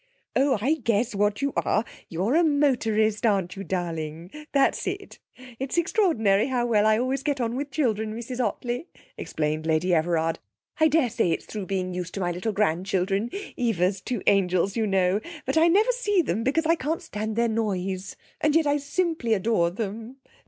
'Oh, I guess what you are! You're a motorist, aren't you, darling? That's it! It's extraordinary how well I always get on with children, Mrs Ottley,' explained Lady Everard. 'I daresay it's through being used to my little grandchildren, Eva's two angels, you know, but I never see them because I can't stand their noise, and yet I simply adore them.